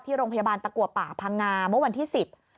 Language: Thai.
ที่โรงพยาบาลตะกัวป่าพังงามวันที่๑๐